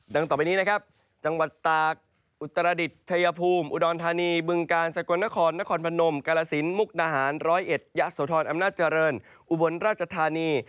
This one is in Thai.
ต่อไปนี้นะครับจังหวัดตากอุตรดิษฐ์ชายภูมิอุดรธานีบึงกาลสกลนครนครพนมกาลสินมุกนาหารร้อยเอ็ดยะโสธรอำนาจเจริญอุบลราชธานี